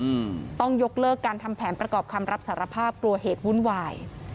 อืมต้องยกเลิกการทำแผนประกอบคำรับสารภาพกลัวเหตุวุ่นวาย